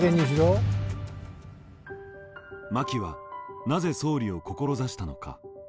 真木はなぜ総理を志したのか。